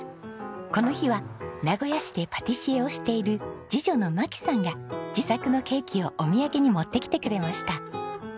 この日は名古屋市でパティシエをしている次女の麻姫さんが自作のケーキをお土産に持ってきてくれました。